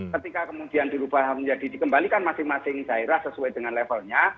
ketika kemudian dikembalikan masing masing daerah sesuai dengan levelnya